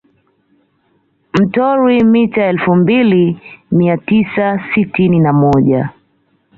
Mtorwi mita elfu mbili mia tisa sitini na moja